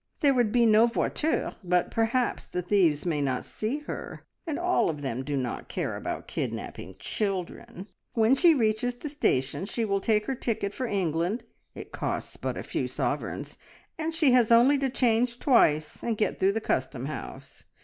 There would be no voiture, but perhaps the thieves may not see her, and all of them do not care about kidnapping children. When she reaches the station, she will take her ticket for England it costs but a few sovereigns and she has only to change twice, and get through the custom house.